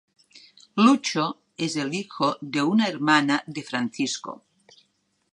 Lucho es hijo de una hermana de Francisco.